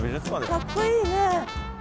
かっこいいね。